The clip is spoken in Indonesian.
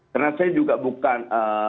karena saya juga bukan